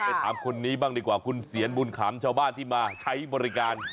ถามคนนี้บ้างดีกว่าคุณเสียนบุญขำชาวบ้านที่มาใช้บริการ